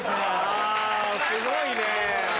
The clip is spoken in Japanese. あすごいね。